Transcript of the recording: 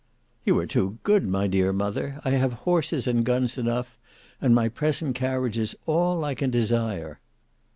"You are too good, my dear mother. I have horses and guns enough; and my present carriage is all I can desire."